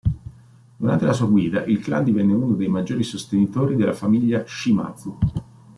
Durante la sua guida il clan divenne uno dei maggiori sostenitori della famiglia Shimazu.